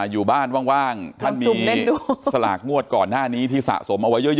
อยู่บ้านว่างท่านมีสลากงวดก่อนหน้านี้ที่สะสมเอาไว้เยอะ